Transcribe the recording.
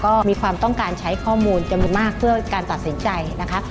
ก็มีความต้องการใช้ข้อมูลจำนวนมากเพื่อการตัดสินใจนะคะ